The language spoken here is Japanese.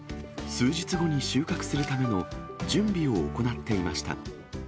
数日後に収穫するための準備を行っていました。